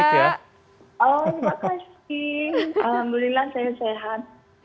oh terima kasih alhamdulillah saya sehat